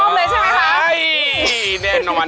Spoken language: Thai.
พ่อชอบเลยใช่ไหมครับ